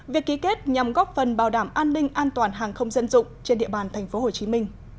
việc ký kết nhằm góp phần bảo đảm an ninh an toàn hàng không dân dụng trên địa bàn tp hcm